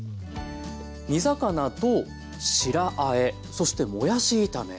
煮魚と白あえそしてもやし炒め。